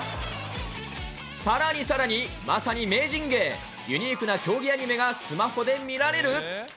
さらにさらに、まさに名人芸、ユニークな競技アニメがスマホで見られる？